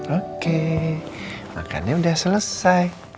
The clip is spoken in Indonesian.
oke makannya udah selesai